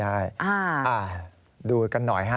ใช่ดูกันหน่อยฮะ